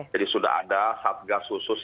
jadi sudah ada